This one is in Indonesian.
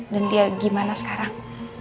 dan dia gimana sekarang